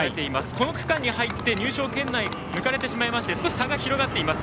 この区間に入って入賞圏内、抜かれてしまって少し差が広がっています。